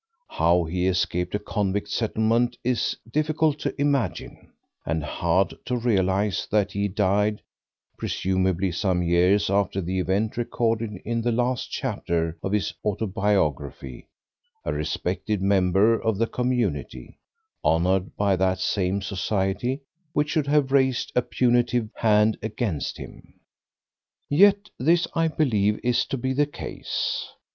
How he escaped a convict settlement it is difficult to imagine, and hard to realize that he died—presumably some years after the event recorded in the last chapter of his autobiography—a respected member of the community, honoured by that same society which should have raised a punitive hand against him. Yet this I believe to be the case.